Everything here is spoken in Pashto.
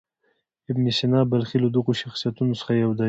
ابن سینا بلخي له دغو شخصیتونو څخه یو دی.